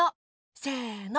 せの。